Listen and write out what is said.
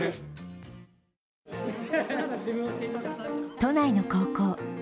都内の高校。